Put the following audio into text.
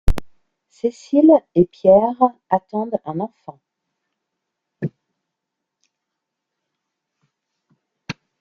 Cécile et Pierre attendent un enfant.